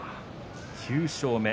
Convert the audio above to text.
９勝目。